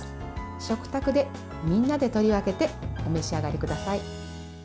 食卓でみんなで取り分けてお召し上がりください。